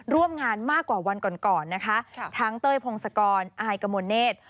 ร่วมงานมากกว่าวันก่อนก่อนนะคะทั้งเต้ยพงศกรอายกมลเนธ